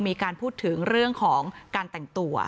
มีการพูดถึงเรื่องของการแต่งตัว